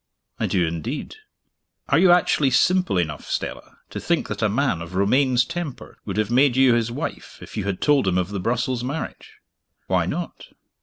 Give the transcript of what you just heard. "I do, indeed." "Are you actually simple enough, Stella, to think that a man of Romayne's temper would have made you his wife if you had told him of the Brussels marriage?" "Why not?"